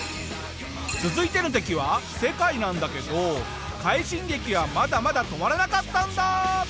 続いての敵は世界なんだけど快進撃はまだまだ止まらなかったんだ！